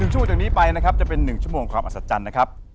ชั่วจากนี้ไปนะครับจะเป็น๑ชั่วโมงความอัศจรรย์นะครับ